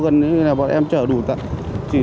gần như là bọn em chở chỉ đủ tải thôi ạ